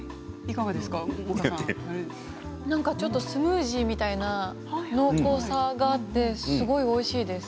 ちょっとスムージーみたいな濃厚さがあってすごいおいしいです。